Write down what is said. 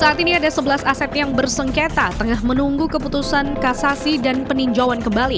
saat ini ada sebelas aset yang bersengketa tengah menunggu keputusan kasasi dan peninjauan kembali